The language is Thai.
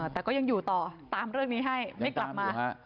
แต่ก็ยังอยู่ต่อตามเรื่องนี้ให้ไม่กลับมา